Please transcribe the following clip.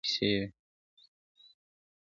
شنه ټگي وه که ځنگل که یې کیسې وې `